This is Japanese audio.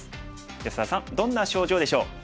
安田さんどんな症状でしょう？